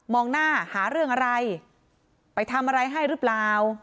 หน้าหาเรื่องอะไรไปทำอะไรให้หรือเปล่า